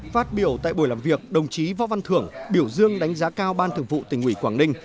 phát biểu tại buổi làm việc đồng chí võ văn thưởng biểu dương đánh giá cao ban thường vụ tỉnh ủy quảng ninh